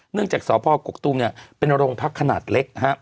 เนื่องจากสคกตุเป็นโรงพักขนาดเล็ก